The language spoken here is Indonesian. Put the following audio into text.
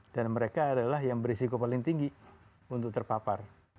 dan mereka adalah yang berisiko paling tinggi untuk terpapar